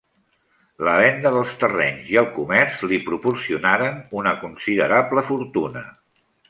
La venda dels terrenys i el comerç li proporcionaren una considerable fortuna.